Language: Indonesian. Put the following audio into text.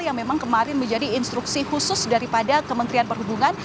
yang memang kemarin menjadi instruksi khusus daripada kementerian perhubungan